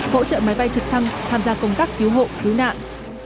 hỗ trợ máy bay trực thăng tham gia công tác cứu hộ cứu nạn